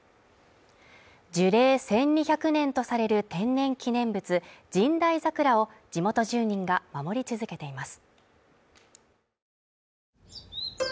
樹齢１２００年とされる天然記念物神代桜を地元住民が守り続けています。